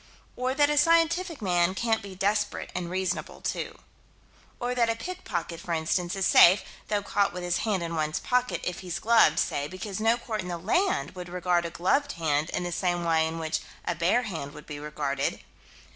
Or that a scientific man can't be desperate and reasonable too. Or that a pickpocket, for instance, is safe, though caught with his hand in one's pocket, if he's gloved, say: because no court in the land would regard a gloved hand in the same way in which a bare hand would be regarded.